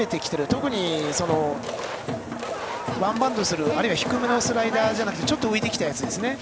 特にワンバウンドする低めのスライダーじゃなくてちょっと浮いてきたやつですね。